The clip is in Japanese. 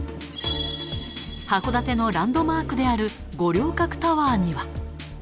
函館のランドマークである五稜郭タワーには。